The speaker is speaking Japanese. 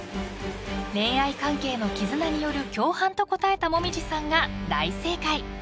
［恋愛関係の絆による共犯と答えた紅葉さんが大正解］